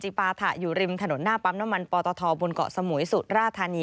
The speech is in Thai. จีบปาถะอยู่ริมถ์ถนนหน้าปั๊มน้ำมันปลอตฐอบนเกาะสมุยสุรธัณฑ์